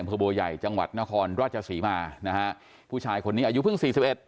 บัวใหญ่จังหวัดนครราชศรีมานะฮะผู้ชายคนนี้อายุเพิ่งสี่สิบเอ็ด